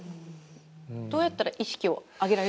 どうやったら意識を上げられるんですか？